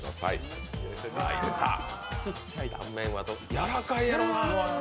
やらかいやろな。